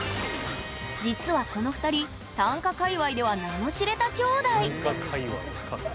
実はこの２人短歌界わいでは名の知れた姉弟！